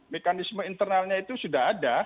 mekanisme internalnya itu sudah ada